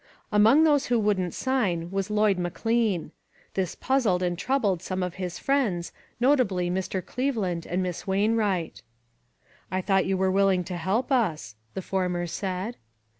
Among those who wouldn't sign was Lloyd McLean. This puzzled and troubled some of his friends, notably Mr. Cleveland and Miss Wainwright. "I thought you were willing to help us?" the former said.